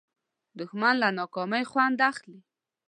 دښمن له ناکامۍ خوند اخلي